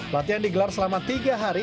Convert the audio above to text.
latihan digelar selama tiga hari